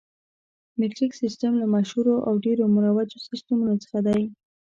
مټریک سیسټم له مشهورو او ډېرو مروجو سیسټمونو څخه دی.